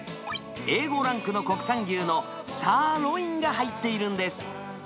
Ａ５ランクの国産牛のサーロインが入っているんです。